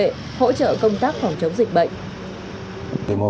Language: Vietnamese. hỗ trợ công tác phòng chống dịch bệnh